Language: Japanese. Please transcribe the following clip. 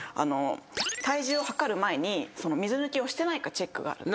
体重を量る前に水抜きをしてないかチェックがあって。